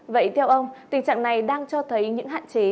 vậy theo ông tình trạng này đang cho thấy những hạn chế